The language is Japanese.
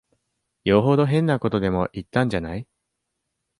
よほど変なことでも言ったんじゃない。